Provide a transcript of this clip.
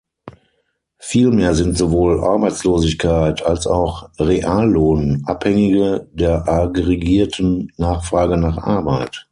Vielmehr sind sowohl Arbeitslosigkeit als auch Reallohn Abhängige der aggregierten Nachfrage nach Arbeit.